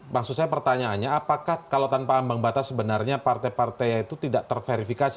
maksud saya pertanyaannya apakah kalau tanpa ambang batas sebenarnya partai partai itu tidak terverifikasi